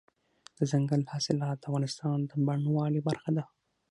دځنګل حاصلات د افغانستان د بڼوالۍ برخه ده.